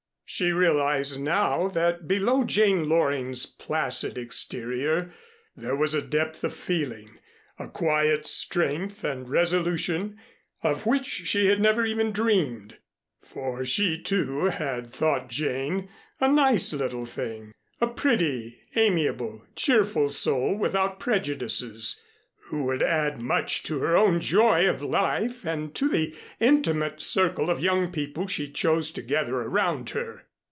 She realized now that below Jane Loring's placid exterior, there was a depth of feeling, a quiet strength and resolution of which she had never even dreamed; for she, too, had thought Jane a "nice little thing" a pretty, amiable, cheerful soul without prejudices, who would add much to her own joy of life, and to the intimate circle of young people she chose to gather around her.